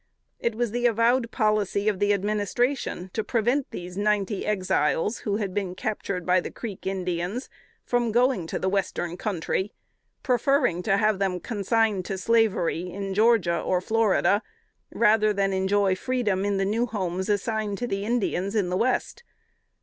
It was the avowed policy of the Administration to prevent these ninety Exiles, who had been captured by the Creek Indians, from going to the Western Country, preferring to have them consigned to slavery in Georgia or Florida, rather than enjoy freedom in the new homes assigned to the Indians in the West.